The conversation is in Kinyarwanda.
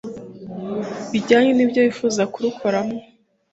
bijyanye n'ibyo bifuza kurukoramo